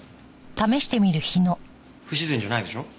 不自然じゃないでしょ？